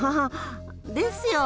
ですよね？